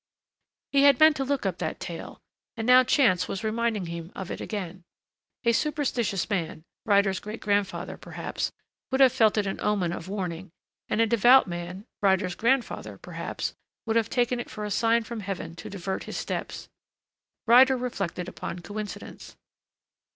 He had meant to look up that tale. And now chance was reminding him of it again. A superstitious man Ryder's great grandfather, perhaps, would have felt it an omen of warning, and a devout man Ryder's grandfather, perhaps would have taken it for a sign from Heaven to divert his steps. Ryder reflected upon coincidence.